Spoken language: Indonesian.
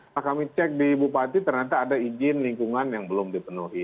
nah kami cek di bupati ternyata ada izin lingkungan yang belum dipenuhi